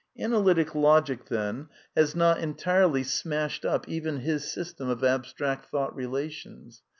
Analytic Logic, then, has not entirely smashed up even his system of abstract Thought relations.